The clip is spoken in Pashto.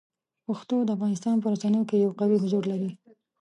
پښتو د افغانستان په رسنیو کې یو قوي حضور لري.